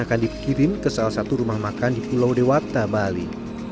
akan dikirim ke salah satu rumah makan di pulau dewata bali